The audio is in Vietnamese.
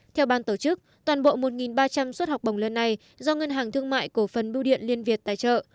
theo ban tổ chức toàn bộ một ba trăm linh suất học bổng lần này do ngân hàng thương mại cổ phần bưu điện liên việt tài trợ